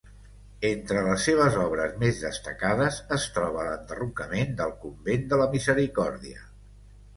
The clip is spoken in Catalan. Entre les seves obres més destacades es troba l'enderrocament del convent de la Misericòrdia.